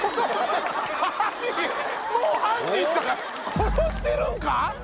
殺してるんか！？